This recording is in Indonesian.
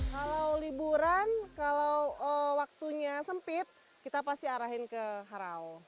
kalau liburan kalau waktunya sempit kita pasti arahin ke harau